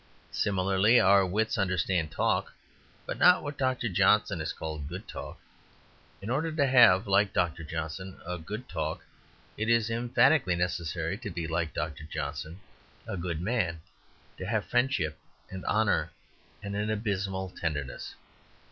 Similarly, our wits understand talk, but not what Dr. Johnson called a good talk. In order to have, like Dr. Johnson, a good talk, it is emphatically necessary to be, like Dr. Johnson, a good man to have friendship and honour and an abysmal tenderness.